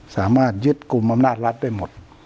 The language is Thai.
สามารถยึดกลุ่มอำนาจรัฐได้หมด